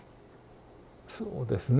そうですね。